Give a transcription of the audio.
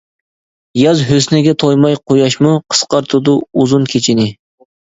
ياز ھۆسنىگە تويماي قۇياشمۇ، قىسقارتىدۇ ئۇزۇن كېچىنى.